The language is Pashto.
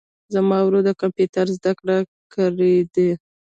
زما ورور د کمپیوټر زده کړي کړیدي